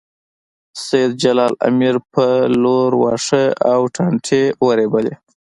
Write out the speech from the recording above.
سېد جلال امیر په لور واښه او ټانټې ورېبلې